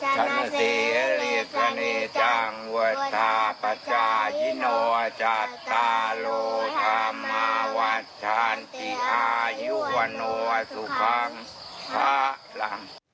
สามารถทานที่อายุวันโหว่าสุขังสาหรัง